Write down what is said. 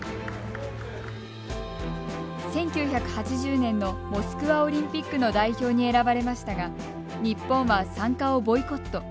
１９８０年のモスクワオリンピックの代表に選ばれましたが日本は参加をボイコット。